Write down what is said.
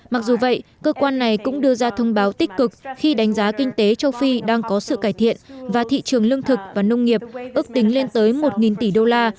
mặc dù vậy cơ quan này cũng đưa ra thông báo tích cực khi đánh giá kinh tế châu phi đang có sự cải thiện và thị trường lương thực và nông nghiệp ước tính lên tới một tỷ đô la